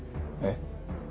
えっ？